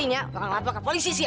tidak orang orang akan ke polisi